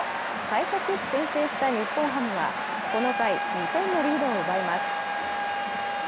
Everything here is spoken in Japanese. さい先良く先制した日本ハムはこの回、２点のリードを奪います。